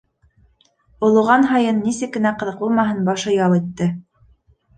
Олоған һайын, нисек кенә ҡыҙыҡ булмаһын, башы ял итте.